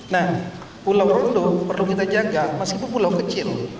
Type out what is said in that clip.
nah pulau rondo perlu kita jaga meskipun pulau kecil